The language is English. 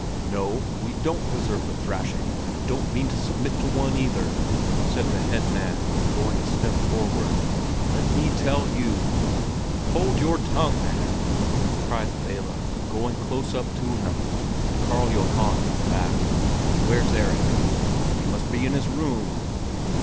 "No, we don't deserve a thrashing, and don't mean to submit to one either," said the head man, going a step forward. "Let me tell you—" "Hold your tongue, man!" cried the bailiff, going close up to him, and Karl Johan drew back. "Where's Erik?" "He must be in his room."